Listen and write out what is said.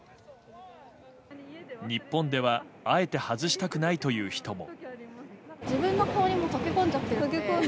日本ではあえて外したくないという人も。